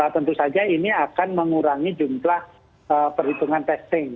tentu saja ini akan mengurangi jumlah perhitungan testing